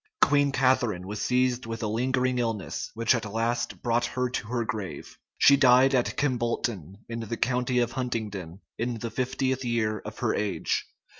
Queen Catharine was seized with a lingering illness, which at last brought her to her grave; she died at Kimbolton, in the county of Huntingdon, in the fiftieth year of her age.